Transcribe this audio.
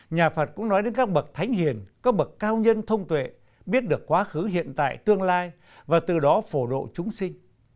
nhà phật cũng nói đến các bậc thánh hiền các bậc cao nhân thông tuệ biết được quá khứ hiện tại tương lai và từ đó phổ độ chúng sinh